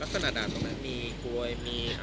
ลักษณะด้านตรงนั้นมีกลวยมีอะไร